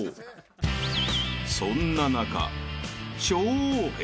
［そんな中］